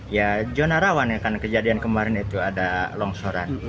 ya zona rawan ya karena kejadian kemarin itu ada longsoran